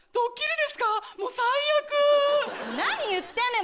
何言ってんのよ！